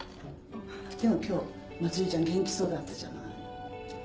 でも今日茉莉ちゃん元気そうだったじゃない。